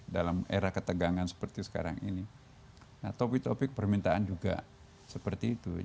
dalam era ketegangan seperti sekarang ini nah topik topik permintaan juga seperti itu